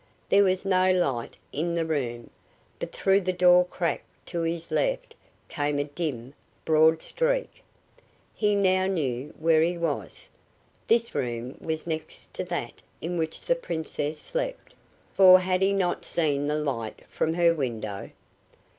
There was no light in the room, but through the door crack to his left came a dim, broad streak. He now knew where he was. This room was next to that in which the Princess slept, for had he not seen the light from her window?